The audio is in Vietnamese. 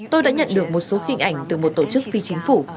tôi đã nhận được một số hình ảnh từ một tổ chức phi chính phủ